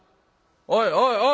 おいおい